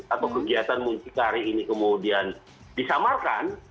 atau kegiatan muncikari ini kemudian disamarkan